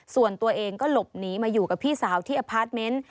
ส่วนตัวเองก็หลบหนีมาอยู่กับพี่สาวที่อพาร์ทเมนต์